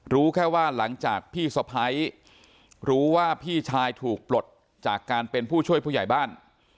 รู้แค่ว่าหลังจากพี่สะพ้ายรู้ว่าพี่ชายถูกปลดจากการเป็นผู้ช่วยผู้ใหญ่บ้าน